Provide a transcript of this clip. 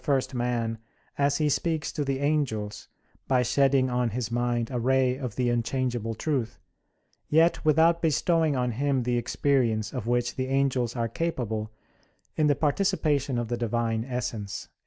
xi, 33) that, "perhaps God used to speak to the first man as He speaks to the angels; by shedding on his mind a ray of the unchangeable truth, yet without bestowing on him the experience of which the angels are capable in the participation of the Divine Essence."